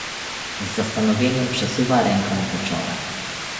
"Z zastanowieniem przesuwa ręką po czole."